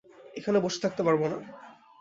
এখানে বসে থাকতে পারব না।